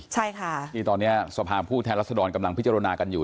ใช่ค่ะที่ตอนนี้สภาพผู้แทนรัศดรกำลังพิจารณากันอยู่